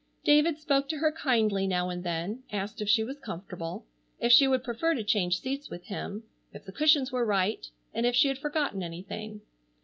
David spoke to her kindly now and then; asked if she was comfortable; if she would prefer to change seats with him; if the cushions were right; and if she had forgotten anything.